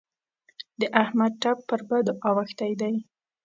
د احمد ټپ پر بدو اوښتی دی.